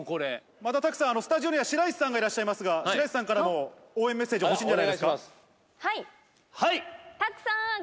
また拓さん、スタジオには白石さんがいらっしゃいますが、白石さんからも応援メッセージ欲しいんじゃないですか。